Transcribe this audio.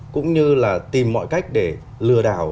cũng như là tìm mọi cách để lừa đảo